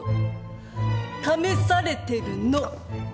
試されてるの。